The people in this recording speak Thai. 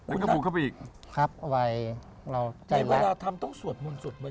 แล้วก็ปลูกเข้าไปอีกครับไวเราในเวลาทำต้องสวดมนต์สุดไว้